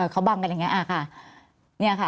เขาบำกันอย่างนี้